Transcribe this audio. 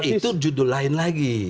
itu judul lain lagi